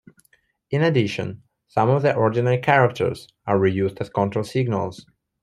In addition, some of the ordinary characters are reused as control signals.